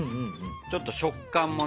ちょっと食感もね。